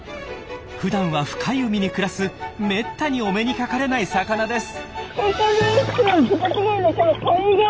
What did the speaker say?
ふだんは深い海に暮らすめったにお目にかかれない魚です。